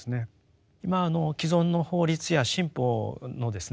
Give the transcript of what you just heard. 今既存の法律や新法のですね